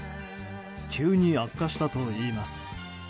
急に悪化したといいます。